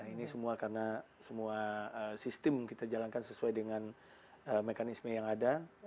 ini semua karena semua sistem kita jalankan sesuai dengan mekanisme yang ada